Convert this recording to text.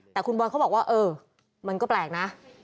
แต่คุณบอลเขาบอกว่าเออมันก็แปลกนะ